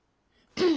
うん？